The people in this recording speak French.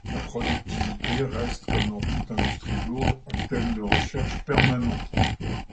La productivité reste, comme dans toute industrie lourde, un thème de recherche permanent.